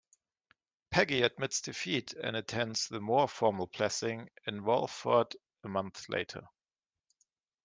Peggy admits defeat and attends their more formal blessing in Walford a month later.